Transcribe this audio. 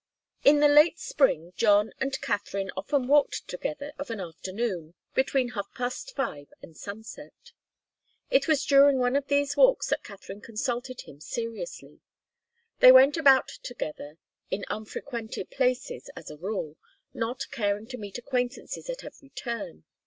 In the late spring John and Katharine often walked together of an afternoon, between half past five and sunset. It was during one of these walks that Katharine consulted him seriously. They went about together in unfrequented places, as a rule, not caring to meet acquaintances at every turn.